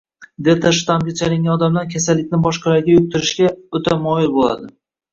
Delta shtammga chalingan odamlar kasallikni boshqalarga yuqtirishga o‘ta moyil bo‘ladi